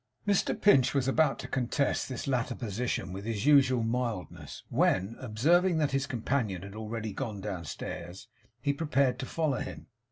Mr Pinch was about to contest this latter position with his usual mildness, when, observing that his companion had already gone downstairs, he prepared to follow him.